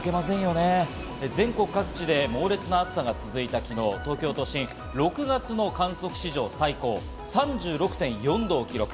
全国各地で猛烈な暑さが続いた昨日、東京都心は６月の観測史上最高の３６．４度を記録。